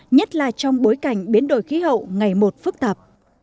nhất là trong bối cảnh biến đổi khí hậu ngày một phức tạp